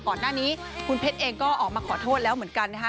ก่อนหน้านี้คุณเพชรเองก็ออกมาขอโทษแล้วเหมือนกันนะฮะ